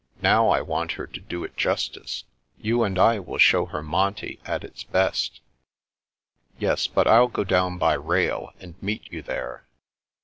Now I want her to do it justice. You and I will show her Monte at its best." " Yes, but I'll go down by rail, and meet you there."